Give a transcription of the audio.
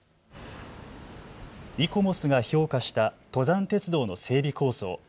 イコモスが評価した登山鉄道の整備構想。